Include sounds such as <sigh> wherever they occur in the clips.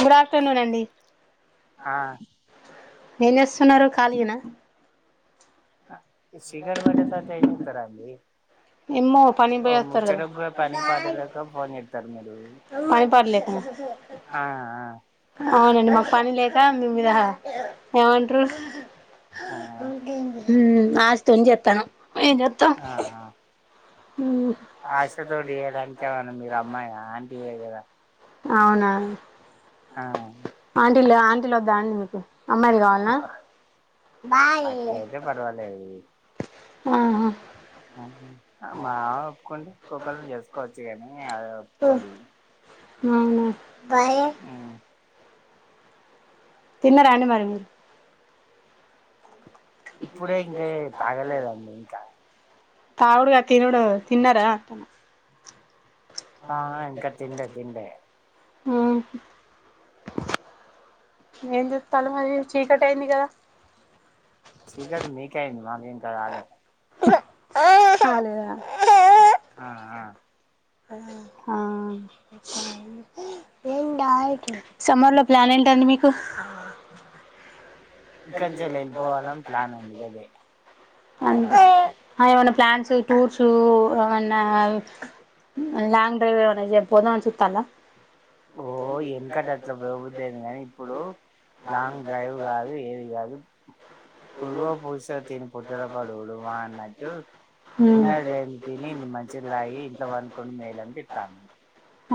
Good afternoon అండి ఆ ఏం చేస్తున్నారు ఖాళీగాన చికెన్ వండుతా టైం ఉంటార అండి ఏమ్మో పని పోయేత్తారు కదా కూడా పని పాట లేక ఫోన్ చేస్తారు మీరు పని పట్లేకుండా ఆ అవున మాకు పని లేక మీ మీద ఆ <unintelligible> ఆస్తి ఏం చేస్తానవ్ ఏంచేత్తం ఆశ తోటి చేయడానికి ఏమన్నా మీరు అమ్మాయా ఆంటీ నే కదా అవునా ఆ టి లోద్దా అండి మీకు అమ్మాయిలు కావాల్నా బాయ్ అట్లయితే పర్వాలేదు ఆహా మా ఆవిడ ఒప్పుకుంటే ఇంకొకరిని చేసుకోవచ్చు కదా అవునా ఉమ్. తిన్నరా అండి మరి మీరు ఇప్పుడే ఇంకా తాగలేదండి ఇంకా తాగుడు కాదు తినుడు తిన్నారా ఆ ఇంకా తినలే తినలే మ్ ఏం చెత్తనవ్ మరి చీకటి అయింది కదా చీకటి మీకే అయింది మాకు ఇంకా కాలే కాలేద ఆ ఆ మ్ సమ్మర్ లో ప్లాన్ ఏంటండి మీకు ఇక్కడి నుంచి వెళ్లిపోవాలని ప్లాన్ ఉంది గదే నా ప్లాన్ అ ఎవన్ల ప్లాన్స్ టూర్సు లాంగ్ డ్రైవ్ ఏమన్నా పోదామని చూత్తరా ఓ వెనకట అట్ల పోబుద్ధి అయింది గానీ ఇప్పుడూ లాంగ్ డ్రైవ్ కాదు ఏది కాదు పునుగో పూశో తిని <unintelligible> వడుడు వా అన్నట్టు ఉన్నది లేనిది తిని ఇన్ని మంచినీళ్లు తాగి ఇంట్లో పనుకుంట మేల్ అనిపిత్తాంది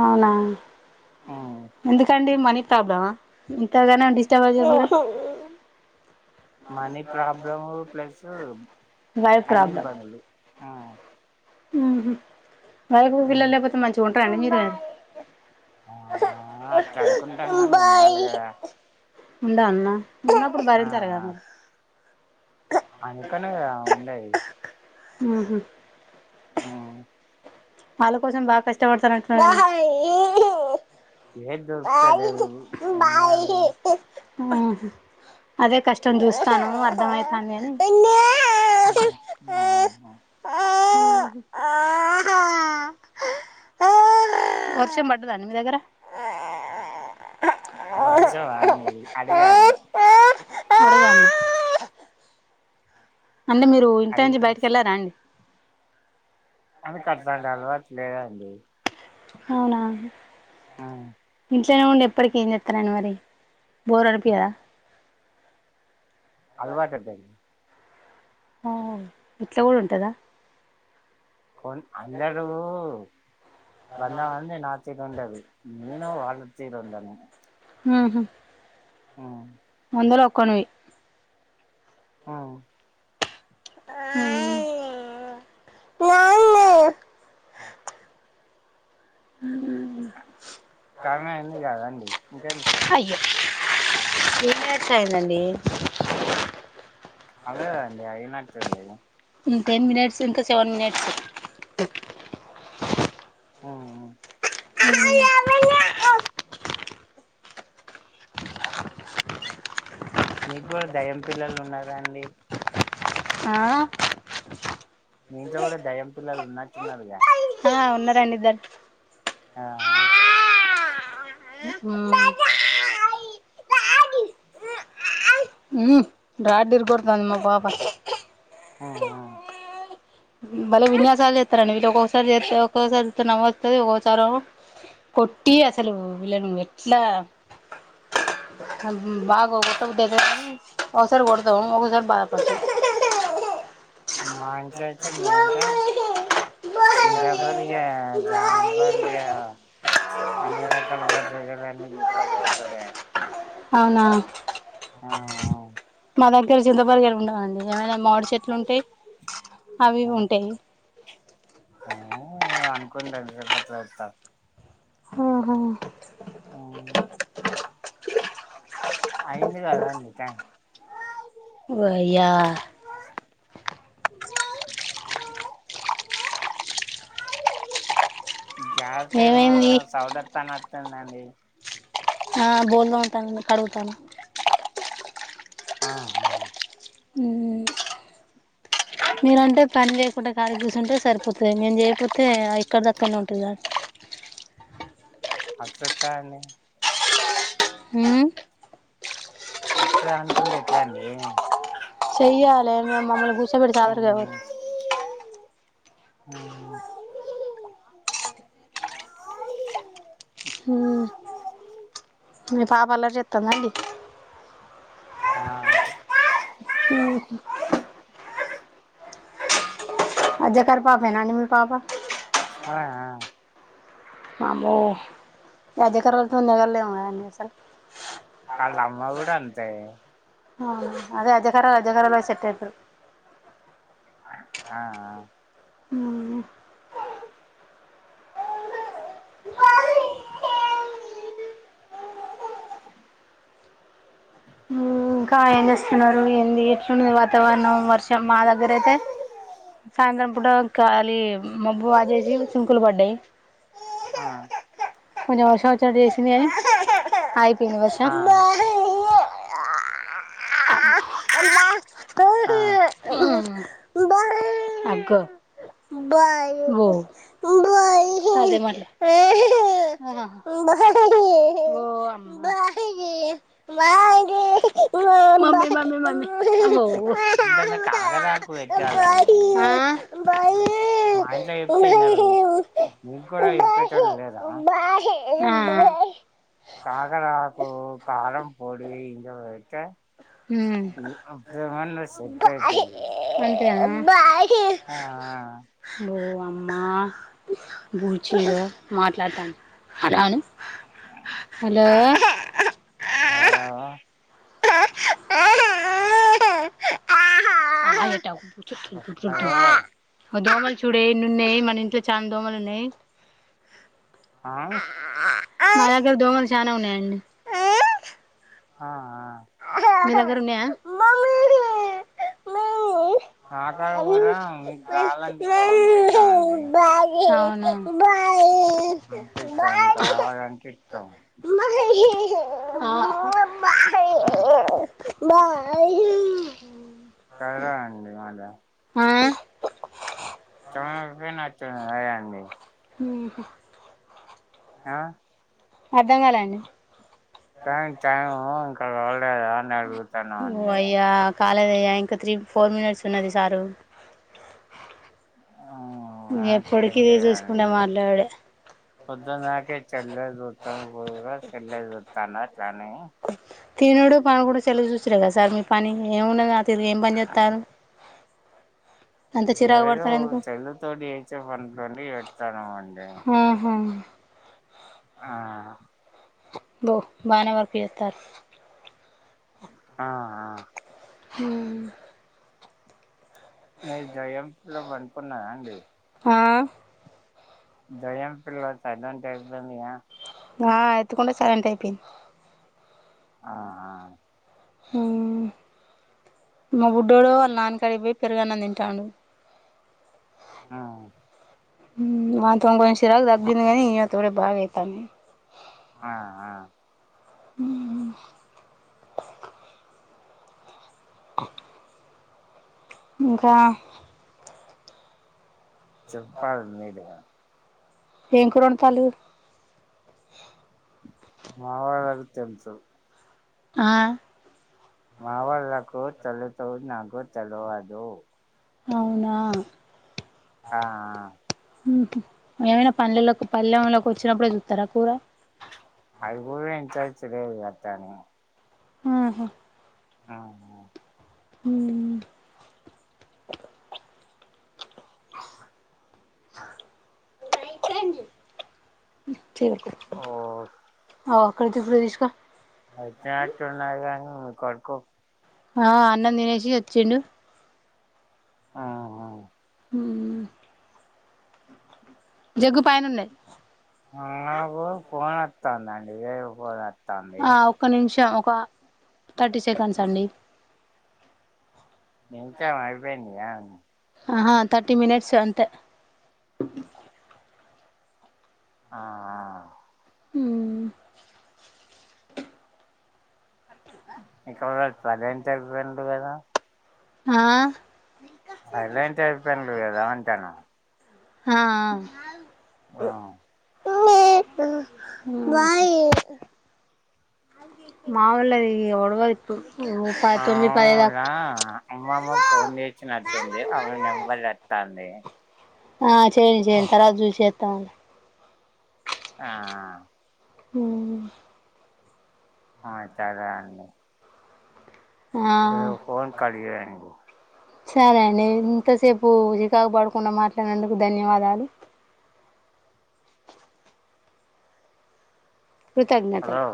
అవునా ఎందుకండి మనీ కధ ఇంతగనం disturbance money problem plus wife అన్ని బనులు ఆ ఉహ్మ వైఫ్ పిల్లలు లేకుంటే మంచిం టరు అండి మీరు ఆ అట్ల అనుకుంటాం గనీ ఉండాలిగద ఉండ అన్నా ఉన్నప్పుడు భరించలి గద మీరు అందుకనే ఉండేయి ఉహ్మ ఆ వాళ్ళ కోసం బా కష్టపడతరు ఏది దొరుకుతే అదే ఏం కద్లే ఉహ్మ అదే కష్టం చూస్తను అర్థమైతంది అని ఆ <inaudible> వర్షం పడ్డదండి మీ దగ్గర వర్షమా అండి అడగాలి వడగాలి అంటే మీరు ఇంట్లో నుంచి బయటికెళ్ళారా అండి అందుకు అట్లాంటి అలవాట్లూ లేద్ అండి అవునా ఆ ఇంట్లోనే ఉండి ఎప్పటికి ఏం చెత్తరాన్డి మరి బోర్ అనిపి యద అల్వాటాయ్ పోయింది ఆ ఇట్ల కూడ ఉంటద కొన్ అందరూ వంద మంది నచ్చే కుంటారు నేను వెళ్లొచ్చి ఇడ ఉండమను ఉహ్మ ఆ అందులోక్కనివి ఆ హమ్ హమ్ కమ అయింది కాదండి అయ్యా <unintelligible> అల కదండి అయినట్టుంది టెన్ మినిట్స్ ఇంక సెవెన్ మినిట్స్ ఆ మీకు కూడా దయ్యం పిల్లలు ఉన్నారాండి ఆ మీ ఇంటిలో కూడా దయ్యం పిల్లలు ఉన్నట్టు ఉన్నారుగా ఆ ఉన్నారండి ఇద్దరు ఆ ఉహు బ్రాడ్ ఇరగోడుతుంది మా పాప ఆ ఆ మళ్లే విన్యాసాలు చేస్తారండి వీళ్ళు ఒక్కొక్కసారి చేస్త ఒక్కోసారి నవమస్తుంది, ఒక్కోసారి కొట్టి అసలు వీళ్ళ నువ్వు ఎట్లా, బాగాని ఒకసారి కొడతాము. ఒక్కొసారి బాధపడతా, నాయ్ మీ అంత సిందబర్గా జాబర్గా అన్ని రకాలు మా దగ్గర కదివతులే అవునా మా దగ్గర చింతపరిగ ఉండావండి యా యమ్ మాడి చెట్లు ఉంటాయి అవి ఇవి ఉంటాయి ఏ అనుకోంట లేదు చెప్పట్ల ఆ ఆహా ఆ అయింది కదాండి ట్యాంక్ వయ్య న గ్యాస్ ఏమో ఏమైంది సౌదత్ తనా ఇస్తాదండి బోల్ తొవుతాన కడుగుతాన ఆ ఉమ్ మీరంటే పని చేయకుండా కాలిగా చేయకుంటే సరిపోతుంది మేము చేయకపోతే అయ్ క్కడ దక్కన్ నే ఉంటదిగా అది సద్ సానే హ్మ్మ్ అస అనుకుండేట్లాన్ని చెయాలి మమ్మలు గుసోపెట్టి చేదరుగా ఎవరు ఆ హమ్ మీ పాప అల్లరి చెస్తాందండి ఆ ఉహు అజేక్కర పాఫేనా నిమి పాప ఆ మామో అజేకరాల త ఉన్న గలునా ఎసల్ వాళ్ళ అమ్మ కూడా అంతే హ్మ్ అదే అదే ర రాజాకరాల సెట్ అవుతారు ఆ హ్మ్మ్ హమ్ ఇంకా ఏం చేస్తున్నారు ఏంది వాతావరణం వర్షం మా దగ్గర అయితే సాయంత్రం పూట గాలీ మబ్బు వాజేసి చినుకులు పడ్డాయి ఆ కొంచం వర్షం వచ్చిఅట్టు చేసింది ఆగిపోయింది ఆ ఆ వర్షం ఆ అమ్మ ఆ బాయ్ అగ్గో బాయ్ బాయ్ అదేమల ఓ bye bye mummy mummy mummy ఇంతన్నా కాగరాకు అమ్మో పెట్టాలని ఆ మా ఇంట్లో చెప్తేన్నారు మీకు కూడా చెప్పేటోళ్ళు లేదా హా బాయ్ కాకరాకు కారం పోడి ఇం క హమ్ సెట్ బాయ్ అయితది అంతేనా బాయ్ ఆ అమ్మ బూచీలో మాట్లాడతాను హలో అను హలో ఆ హా హలో ఆ ఆ చూడే నున్నెయి మన ఇంట్లో చాలా దోమలు ఉన్నాయి ఆ మలాగలు దోమలు చానా ఉన్నాయండి ఆ హా అహా హా మీ దగ్గర ఉన్నాయా మమ్మీ మి నాకడ కూడా మీకు కావాలంటి ఇంకా పంపిస్తామండి బాయ్ పంపిత ఇంకా కావాలంటే ఇత్తం ఆహ్ ఆ బాయ్ సరే అండి మరి ఆ త <unintelligible> నాచ్చ అ అండి. ఉహ్ హు ఆ అర్ధం గాలే అండి. దానిక్ టైము రాలే కదా అని అడుగుతాన్న ఓ అండి. అయ్యా కాలేదయ్యా ఇంకా త్రీ ఫోర్ మినిట్స్ ఉన్నది సారు. ఉహ్ ఎప్పటికి ఇది చూసుకుంటే నాకేంలేదన్డి మాట్లాడే పొద్దున్ధకా చెల్లజూతాం ఊక సెల్లే చూస్ తన్న దాన్నీ తినుడు, పానుకుడు, సెల్ చూసుడేగా సార్ మీ పని ఇంగ్ ఏమున్నాదాడ్. తిరిగి ఏం పని జెతరు ఎదో ఎందుకు చెల్తోటి ఏచ ప <unintelligible> డి ఎతనమండి ఆహా ఆహ్ బో బానే వర్కు చేతరు. ఆ ఆ ఉహ్మ్ మీరు దెయ్యం లో పనుకున్నారా అండి ఆ దెయ్యం పిల్లల చలేంటపోయిందిగా. ఆ ఎత్తుకుంటే సైలెంట్ అయిపోయింది. ఆ ఆ ఉమ్ మా బుడ్డోడు వాళ్ళ నాన్నకాడకి పోయి పెరుగాన్నాం తింటాన్డు. ఆ ఉహ్మ్ వాన్తోన్ కొంజం చిరాకు తబ్బింది గాని. ఈన తోడి బాగ అయితంది. ఆ ఆ ఉహ్ ఊమ్మ్ ఇంకా చెప్పాల మీరే ఏం కూరొండుతాలు. మా వాళకు తెలుసు అహ్ మా వాళ్ళకు తెలుతు నాకు తెలవదు. అవునా. ఆ ఆ ఊ హు ఏమైనా పల్లెలకు పల్లెంలోకి వచ్చినప్పుడే చూత్తరా కూర. అది కూడా ఇంతతెలేదు గాతని ఆహ్ హ ఆహ్ హ ఉహ్మ్ అయిపోయింది తినకు ఓ ఓ అక్కడ వద్దు ఇప్పుడే తీసుకో అయితే ఆట్ ఉన్నావే ఆ కడుక్కో ఆ అన్నం తినేసి వచ్చిండు ఆహా జగ్గు పైన ఉన్నాయి నాకు ఫోన్ వస్తాందండి పోన్ ఏ ఫోనో ఆ ఒక్క నిమిషం ఒక థర్టీ సెకండ్స్ అండి మిగతావి అయిపోయినయ ఆహా థర్టీ మీనిట్స్ అంతే ఆ ఆ హు ఇక <unintelligible> సైలెంట్ లోకి పోయిండు కదా ఆ సైలెంట్ లోకి పోయిండు కదా అంటన్న ఆ ఆ ఆ బయ మావలది ఇగ ఒడవ ఇప్పుడు ఆ తొమ్మిది పదిహేను దాకా వదిన అమ్మమ్మ ఫోన్ చేసి నట్టుంది అమే నెంబర్ వత్తాంది రే ఆ చేనీ చేనీ తర్వాత చూసి చెత్తంలే ఆ హు ఆ చరే అండి ఆ ఫోన్ <unintelligible> సరే అండి ఇంతసేపు చికాకు పడకుండా మాట్లాడినందుకు ధన్యవాదాలు కృతజ్ఞతలు హలో